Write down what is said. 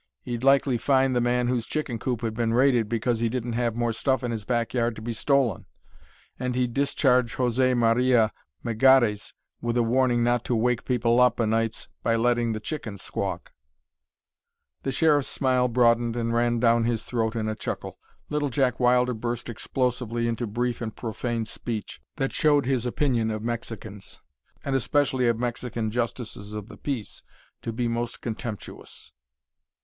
He'd likely fine the man whose chicken coop had been raided because he didn't have more stuff in his back yard to be stolen, and he'd discharge José Maria Melgares with a warning not to wake people up o' nights by letting the chickens squawk!" The Sheriff's smile broadened and ran down his throat in a chuckle. Little Jack Wilder burst explosively into brief and profane speech that showed his opinion of Mexicans, and especially of Mexican justices of the peace, to be most contemptuous.